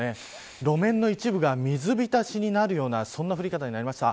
路面の一部が水浸しになるようなそんな降り方になりました。